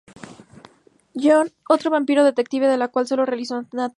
John, otro vampiro detective, de la cual solo se realizó una temporada.